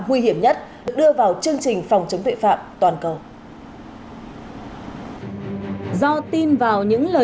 nguy hiểm nhất được đưa vào chương trình phòng chống tội phạm toàn cầu